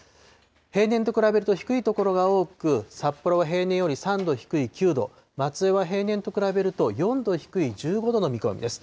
平年と比べると低い所が多く、札幌は平年より３度低い９度、松江は平年と比べると４度低い１５度の見込みです。